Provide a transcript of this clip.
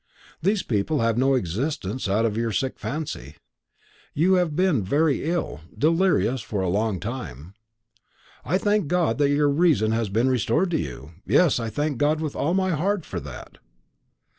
These people have no existence out of your sick fancy. You have been very ill, delirious, for a long time. I thank God that your reason has been restored to you; yes, I thank God with all my heart for that."